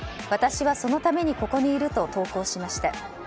私はそのためにここにいると投稿しました。